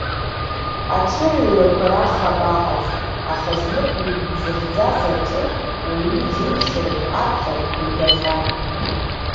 Аҽырыҩрақәа раха абаҟаз, аха знык-ҩынтә дзыхьӡаз аҿы уаҩы иџьеишьартә аԥхьахәқәа игахьан.